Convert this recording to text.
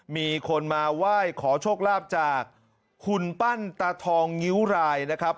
มีคนมาไหว้ขอโชคลาภจากคุณปั้นตาทองงิ้วรายนะครับ